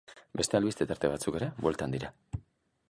Beste albiste tarte batzuk ere bueltan dira.